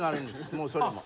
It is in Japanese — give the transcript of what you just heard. もうそれも。